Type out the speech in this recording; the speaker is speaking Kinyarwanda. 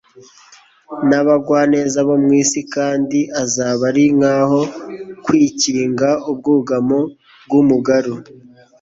n'abagwaneza bo mu isi"; Kandi azaba ari "nk'aho kwikinga ubwugamo bw'umugaru,